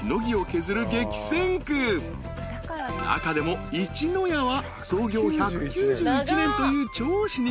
［中でもいちのやは創業１９１年という超老舗］